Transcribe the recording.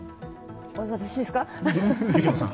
私ですか？